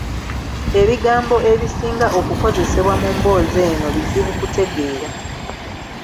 Ebigambo ebisinga okukozesebwa mu mboozi eno bizibu kutegeera.